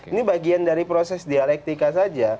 ini bagian dari proses dialektika saja